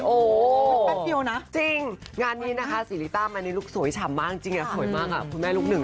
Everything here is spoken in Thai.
โอ้โหจริงงานนี้นะคะสีลิต้ามาในลูกสวยชำมากจริงค่อยมากค่ะคุณแม่ลูกหนึ่ง